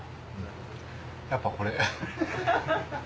やっぱこれ。